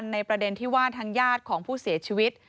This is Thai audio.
ในประเด็นที่ทั้งยาดของผู้เสียชีวิต